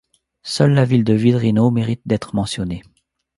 Seule la ville de Vydrino mérite d'être mentionnée.